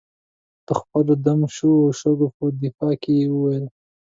د خپلو دم شوو شګو په دفاع کې یې وویل.